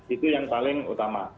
itu yang paling utama